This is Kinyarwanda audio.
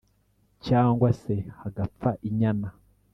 cyangwa se hagapfa inyana,